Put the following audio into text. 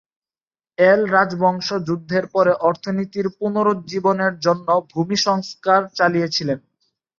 এল-রাজবংশ যুদ্ধের পরে অর্থনীতির পুনরুজ্জীবনের জন্য ভূমি সংস্কার চালিয়েছিল।